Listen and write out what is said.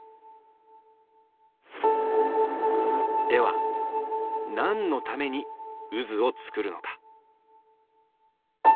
では何のために渦を作るのか？